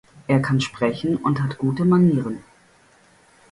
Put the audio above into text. Er kann sprechen und hat gute Manieren.